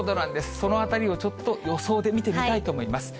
そのあたりをちょっと予想で見てみたいと思います。